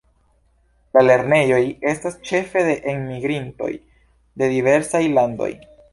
La lernejoj estas ĉefe de enmigrintoj de diversaj landoj.